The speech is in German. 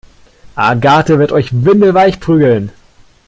Agathe wird euch windelweich prügeln!